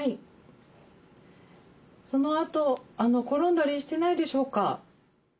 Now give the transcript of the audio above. そのあと転んだりしてないでしょうか？